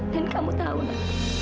dan kamu tahu ma